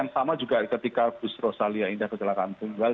sama juga ketika bus australia indah kecelakaan tunggal